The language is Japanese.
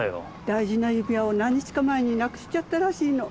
大事な指輪を何日か前になくしちゃったらしいの。